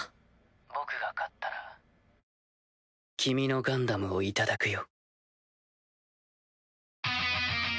僕が勝ったら君のガンダムを頂くよ。